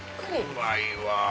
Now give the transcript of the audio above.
うまいわ。